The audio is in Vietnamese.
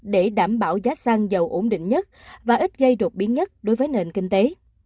để đảm bảo giá xăng dầu ổn định nhất và ít gây đột biến nhất đối với nền kinh tế